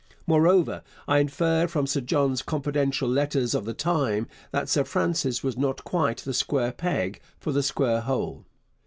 Moreover, I infer from Sir John's confidential letters of the time that Sir Francis was not quite the square peg for the square hole.